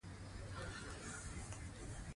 ژوند په زده کړه ښايسته دې